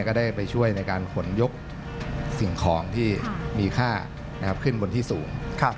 ก็ได้ไปช่วยในการขนยกสิ่งของที่มีค่าขึ้นบนที่สูง